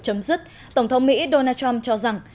chấm dứt tổng thống mỹ donald trump cho rằng